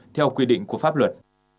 theo quy định của pháp luật